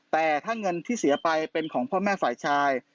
แต่ถ้าเงินที่เสียไปเป็นของพ่อแม่ฝ่ายชาย